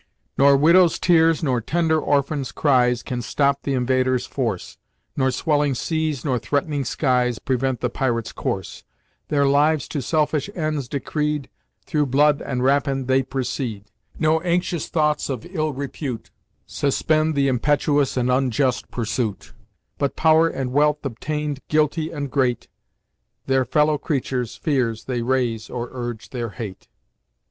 "Nor widows' tears, nor tender orphans' cries Can stop th' invader's force; Nor swelling seas, nor threatening skies, Prevent the pirate's course: Their lives to selfish ends decreed Through blood and rapine they proceed; No anxious thoughts of ill repute, Suspend the impetuous and unjust pursuit; But power and wealth obtain'd, guilty and great, Their fellow creatures' fears they raise, or urge their hate."